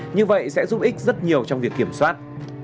như vậy sẽ giúp ích rất nhiều trong việc kiểm soát